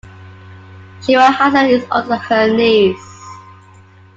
Sheeba Hasan is also her niece.